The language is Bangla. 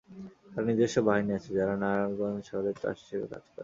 তাঁর নিজস্ব বাহিনী আছে, যারা নারায়ণগঞ্জ শহরে ত্রাস হিসেবে কাজ করে।